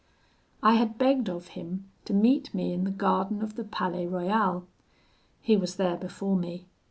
"I had begged of him to meet me in the garden of the Palais Royal. He was there before me.